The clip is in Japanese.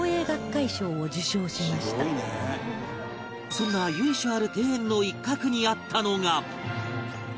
そんな由緒ある庭園の一角にあったのが